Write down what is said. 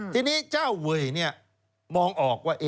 ทีนี้เจ้าเวยมองออกว่า